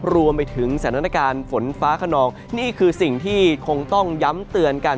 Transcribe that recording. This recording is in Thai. รวมไปถึงสถานการณ์ฝนฟ้าขนองนี่คือสิ่งที่คงต้องย้ำเตือนกัน